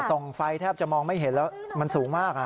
ส่องไฟแทบจะมองไม่เห็นแล้วมันสูงมาก